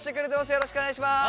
よろしくお願いします。